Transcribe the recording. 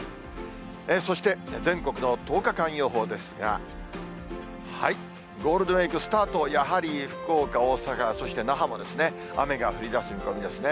そして全国の１０日間予報ですが、ゴールデンウィークスタート、やはり福岡、大阪、そして那覇もですね、雨が降りだす見込みですね。